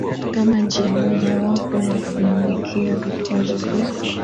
kama njia moja wapo ya kumuwekea vikwazo vya